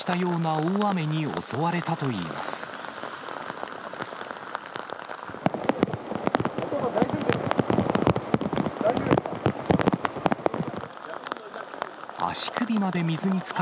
大丈夫ですか？